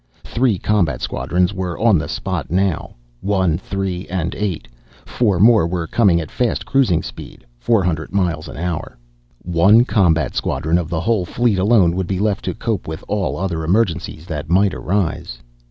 Three combat squadrons were on the spot now; One, Three and Eight. Four more were coming at fast cruising speed four hundred miles an hour. One combat squadron of the whole fleet alone would be left to cope with all other emergencies that might arise....